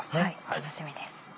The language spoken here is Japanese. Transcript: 楽しみです。